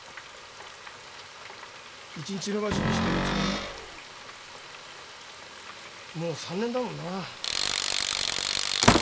一日延ばしにしてるうちにもう３年だもんな。